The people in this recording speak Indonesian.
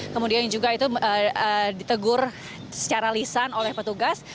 kemudian juga itu ditegur secara lisan oleh petugas